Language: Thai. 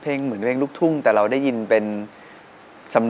เพราะว่าเพราะว่าเพราะ